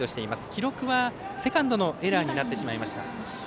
記録はセカンドのエラーになってしまいました。